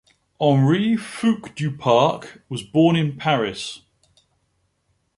Henri Fouques-Duparc was born in Paris.